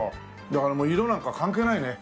だからもう色なんか関係ないね。